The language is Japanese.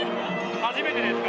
初めてですか？